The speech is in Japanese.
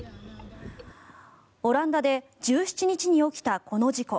オランダで１７日に起きたこの事故。